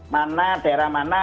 mana daerah mana